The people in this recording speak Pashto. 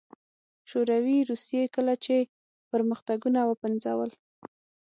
شوروي روسيې کله چې پرمختګونه وپنځول